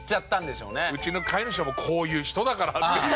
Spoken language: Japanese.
うちの飼い主はもうこういう人だからっていう。